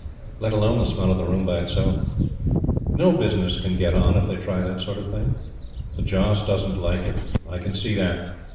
Let alone the smell of the room by itself. No business can get on if they try that sort of thing. The Joss doesn't like it. I can see that.